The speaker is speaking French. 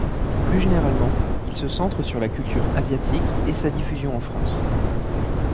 Plus généralement, il se centre sur la culture asiatique et sa diffusion en France.